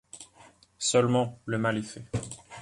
Seulement, le mal est fait.